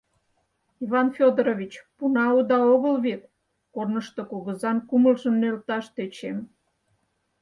— Иван Фёдорович, пуна уда огыл вет! — корнышто кугызан кумылжым нӧлташ тӧчем.